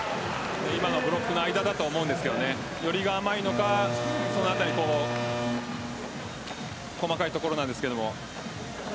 今のブロックの間だと思うんですけど寄りが甘いのか細かいところなんですけど。